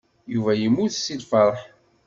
Yuba yemmut seg lfeṛḥ.